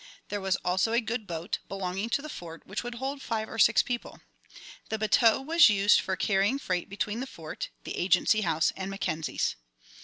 There was also a good boat, belonging to the Fort, which would hold five or six people. The bateau was used for carrying freight between the Fort, the Agency House, and Mackenzie's.